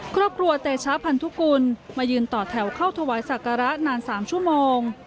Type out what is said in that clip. ครอบครัวเตชะพันธุกุลมายืนต่อแถวเข้าถวายศักระนาน๓ชั่วโมง